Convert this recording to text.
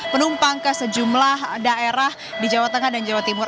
penumpang ke sejumlah daerah di jawa tengah dan jawa timur